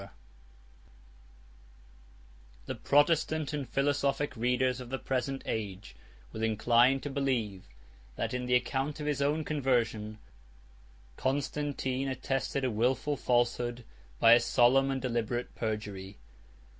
—M] The Protestant and philosophic readers of the present age will incline to believe, that in the account of his own conversion, Constantine attested a wilful falsehood by a solemn and deliberate perjury.